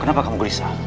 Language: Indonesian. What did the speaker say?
kenapa kamu berisah